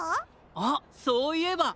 あっそういえば！